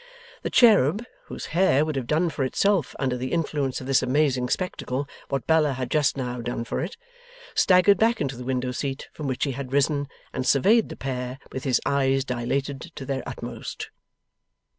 The cherub, whose hair would have done for itself under the influence of this amazing spectacle, what Bella had just now done for it, staggered back into the window seat from which he had risen, and surveyed the pair with his eyes dilated to their utmost.